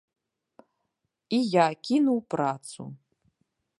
І я кінуў працу.